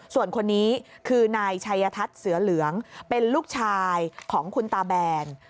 ส่วนคนนี้คือนายชัยทัศน์เสือเหลืองเป็นลูกชายของคุณตาแบน